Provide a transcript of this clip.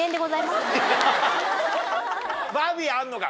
バービーあんのか？